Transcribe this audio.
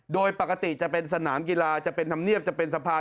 โดยปกติจะเป็นสนามกีฬาจะเป็นธรรมเนียบจะเป็นสะพาน